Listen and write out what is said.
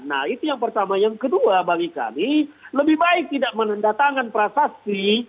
nah itu yang pertama yang kedua bagi kami lebih baik tidak menandatangan prasasti